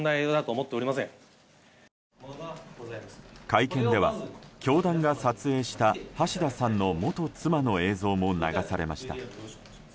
会見では教団が撮影した橋田さんの元妻の映像も流されました。